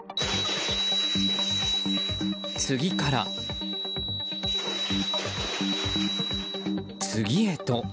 次から次へと。